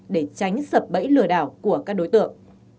để tránh sập bẫy lừa đảo của các đối tượng